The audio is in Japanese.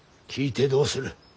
聞いてどうする。